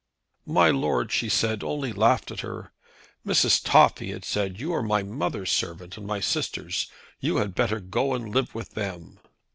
"My Lord," she said, only laughed at her. "'Mrs. Toff,' he had said, 'you are my mother's servant, and my sisters'. You had better go and live with them.'"